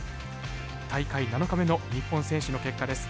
大会７日目の日本選手の結果です。